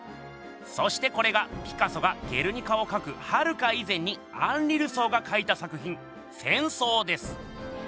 そしてこれがピカソが「ゲルニカ」をかくはるか以前にアンリ・ルソーがかいた作品「戦争」です！